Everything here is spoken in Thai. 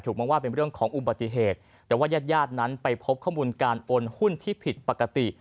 มองว่าเป็นเรื่องของอุบัติเหตุแต่ว่ายาดนั้นไปพบข้อมูลการโอนหุ้นที่ผิดปกติ